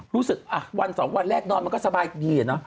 รู้สึกวันสองวันแรกนอนมันก็สบายดีอะเนาะ